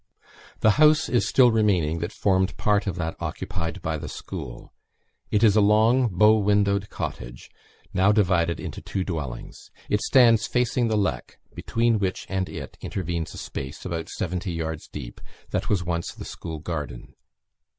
The house is still remaining that formed part of that occupied by the school. It is a long, bow windowed cottage, now divided into two dwellings. It stands facing the Leck, between which and it intervenes a space, about seventy yards deep, that was once the school garden.